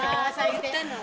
言ったの？